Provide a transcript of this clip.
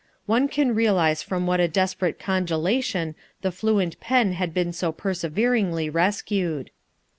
one can realize from what a desperate congelation the fluent pen had been so perseveringly rescued.